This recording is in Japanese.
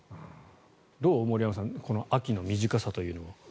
どう、森山さん秋の短さというのは。